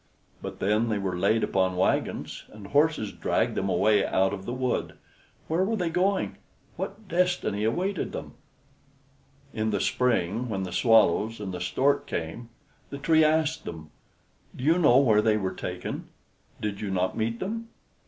But then they were laid upon wagons, and horses dragged them away out of the wood. Where were they going? What destiny awaited them? In the spring, when the Swallows and the Stork came, the Tree asked them, "Do you know where they were taken? Did you not meet them?"